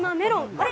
あれ？